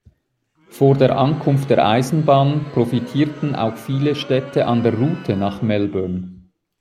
Vor der Ankunft der Eisenbahn profitierten auch viele Städte an der Route nach Melbourne.